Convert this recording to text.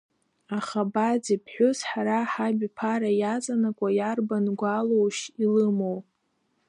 Аха Баӡ иԥҳәыс, ҳара ҳабиԥара иаҵанакуа, иарбан гәалоушь илымоу?